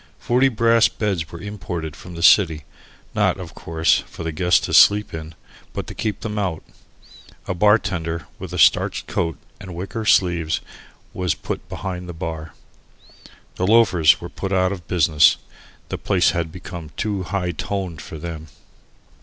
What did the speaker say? Forty brass beds were imported from the city, not, of course, for the guests to sleep in, but to keep them out. A bar tender with a starched coat and wicker sleeves was put behind the bar. The loafers were put out of business. The place had become too "high toned" for them.